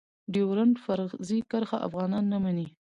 ډيورنډ فرضي کرښه افغانان نه منی.